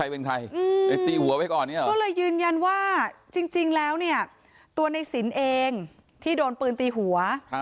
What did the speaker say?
เพื่อยืนยันว่าจริงแล้วเนี่ยตัวในสินเองที่โดนปืนตีหัว